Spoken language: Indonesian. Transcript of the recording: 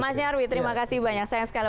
mas nyarwi terima kasih banyak sayang sekali